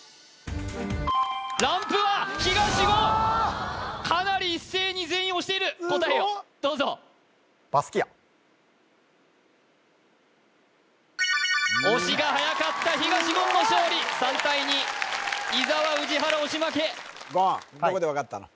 ランプは東言かなり一斉に全員押している答えをどうぞ押しがはやかった東言の勝利３対２伊沢宇治原押し負け言どこで分かったの？